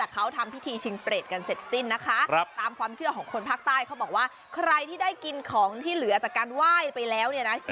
กรูกันมาแย่งชิงของกินของใช้หลัง